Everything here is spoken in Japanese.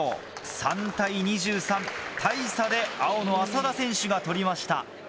３対２３大差で青の浅田選手が取りました。